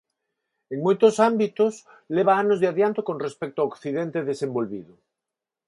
En moitos ámbitos leva anos de adianto con respecto ao Occidente desenvolvido.